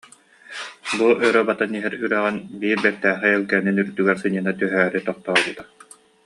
Бу өрө батан иһэр үрэҕин биир бэртээхэй элгээнин үрдүгэр сынньана түһээри тохтообута